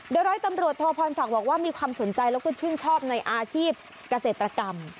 โดยร้อยตำรวจโทพรศักดิ์บอกว่ามีความสนใจแล้วก็ชื่นชอบในอาชีพเกษตรกรรม